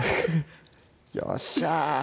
よっしゃ